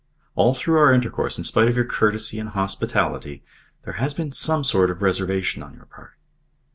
All through our intercourse, in spite of your courtesy and hospitality, there has been some sort of reservation on your part."